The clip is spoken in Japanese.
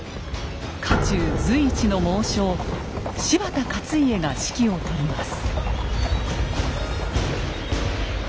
家中随一の猛将柴田勝家が指揮を執ります。